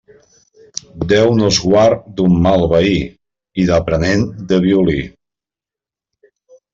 Déu nos guard d'un mal veí, i d'aprenent de violí.